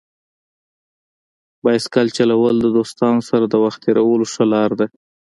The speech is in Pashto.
بایسکل چلول د دوستانو سره د وخت تېرولو ښه لار ده.